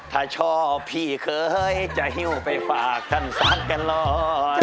ถ้าชอบพี่เคยจะหิ้วไปฝากท่านฝันตลอด